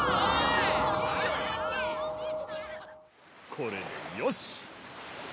これでよし。